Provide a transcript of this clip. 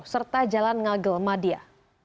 serta jalan ngagel madia